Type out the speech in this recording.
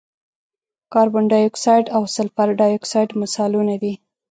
کاربن ډای اکسایډ او سلفر ډای اکساید مثالونه دي.